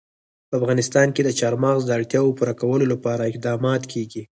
په افغانستان کې د چار مغز د اړتیاوو پوره کولو لپاره اقدامات کېږي.